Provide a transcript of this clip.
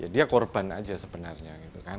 dia korban aja sebenarnya